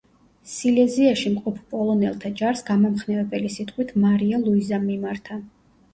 სილეზიაში მყოფ პოლონელთა ჯარს გამამხნევებელი სიტყვით მარია ლუიზამ მიმართა.